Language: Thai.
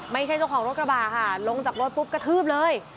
ไม่ใช่เจ้าของรถกระบะค่ะลงจากรถปุ๊บกระทืบเลย